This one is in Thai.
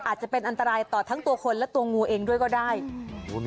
อาจจะเป็นอันตรายต่อทั้งตัวคนและตัวงูเองด้วยก็ได้